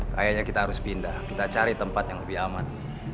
kayaknya kita harus pindah kita cari tempat yang lebih aman